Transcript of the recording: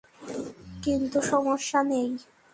কিন্তু, সমস্যা নেই।